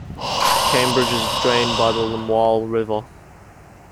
Cambridge is drained by the Lamoille River.